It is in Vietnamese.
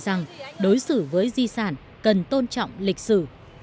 rằng đối xử với di sản cần tôn trọng lịch sử